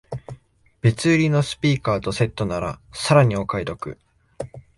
別売りのスピーカーとセットならさらにお買い得